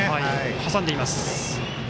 挟んでいます。